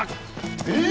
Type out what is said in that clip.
えっ？